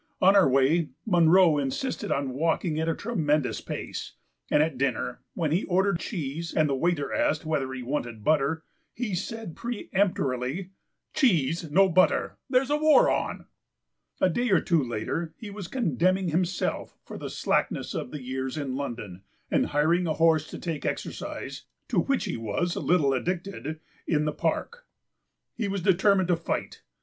On our way Munro insisted on walking at a tremendous pace, and at dinner, when he ordered cheese and the waiter asked whether he wanted butter, he said peremptorily: "Cheese, no butter; there's a war on." A day or two later he was condemning himself for the slackness of the years in London and hiring a horse to take exercise, to which he was little addicted, in the Park. He was determined to fight. p.